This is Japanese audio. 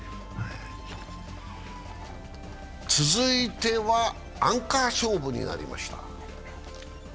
続いてはアンカー勝負になりました。